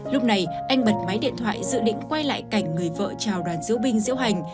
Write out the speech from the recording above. lúc này anh bật máy điện thoại dự định quay lại cảnh người vợ chào đoàn diễu binh diễu hành